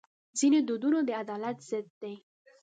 ځینې دودونه د عدالت ضد دي.